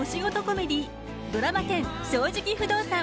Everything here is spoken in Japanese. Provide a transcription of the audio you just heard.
コメディードラマ１０「正直不動産」。